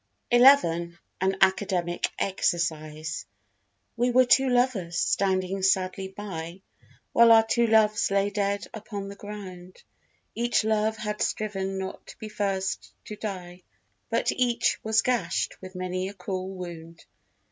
xi—An Academic Exercise We were two lovers standing sadly by While our two loves lay dead upon the ground; Each love had striven not to be first to die, But each was gashed with many a cruel wound.